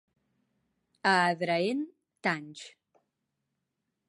A Adraén, tanys.